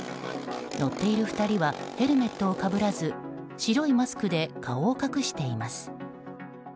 乗っている２人はヘルメットをかぶらず白いマスクで顔を隠しています。